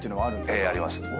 ええ。あります。